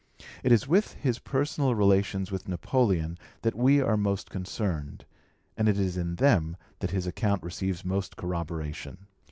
It is with his personal relations with Napoleon that we are most concerned, and it is in them that his account receives most corroboration.